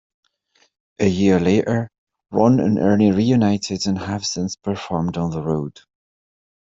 A year later, Ron and Ernie reunited and have since performed on the road.